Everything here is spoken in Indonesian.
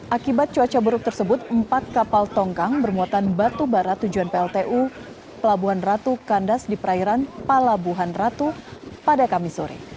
akibat cuaca buruk tersebut empat kapal tongkang bermuatan batu bara tujuan pltu pelabuhan ratu kandas di perairan palabuhan ratu pada kamis sore